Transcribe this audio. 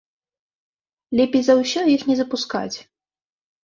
Лепей за ўсё іх не запускаць.